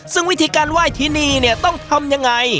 ซึ่งวิธีการไหว้ที่นี่เนี่ยต้องทำยังไง